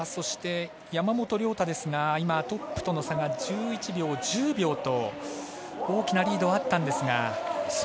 山本涼太ですがトップとの差が１１秒、１０秒と大きなリードはあったんですが。